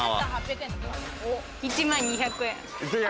１万２００円。